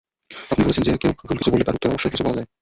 আপনি বলছেন যে কেউ ভুল কিছু বললে, তার উত্তরে অবশ্যই কিছু বলা যায়।